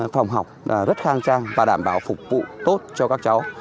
phòng học rất khang trang và đảm bảo phục vụ tốt cho các cháu